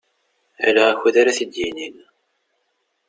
Ala akud ara t-id-yinin.